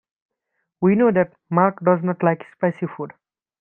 We know that Mark does not like spicy food.